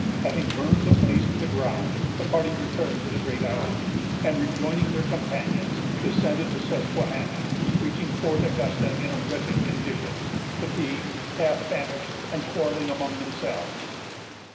Having burned the place to the ground, the party returned to the Great Island; and, rejoining their companions, descended the Susquehanna, reaching Fort Augusta in a wretched condition, fatigued, half famished, and quarrelling among themselves.